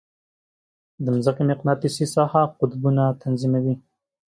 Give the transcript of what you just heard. د مځکې مقناطیسي ساحه قطبونه تنظیموي.